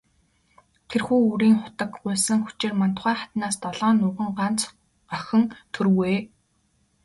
Тэрхүү үрийн хутаг гуйсан хүчээр Мандухай хатнаас долоон нуган, гагц охин төрвэй.